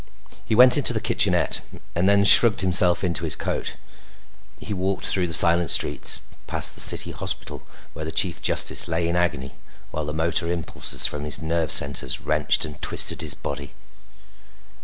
He went into the kitchenette and then shrugged himself into his coat. He walked through the silent streets, past the city hospital where the Chief Justice lay in agony while the motor impulses from his nerve centers wrenched and twisted his body.